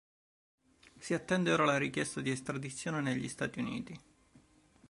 Si attende ora la richiesta di estradizione negli Stati Uniti.